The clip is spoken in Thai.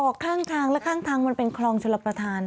ข้างทางและข้างทางมันเป็นคลองชลประธาน